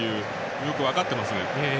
よく分かってますね。